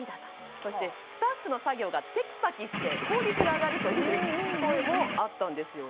そしてスタッフの作業がテキパキして効率が上がるという声もあったんですよね。